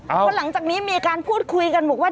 เพราะหลังจากนี้มีการพูดคุยกันบอกว่า